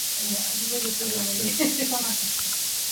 Estudiante de Tercer Grado.